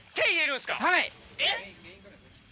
はい！